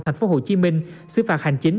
thành phố hồ chí minh xứ phạt hành chính